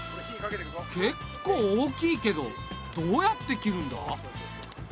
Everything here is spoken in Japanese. けっこう大きいけどどうやって切るんだ？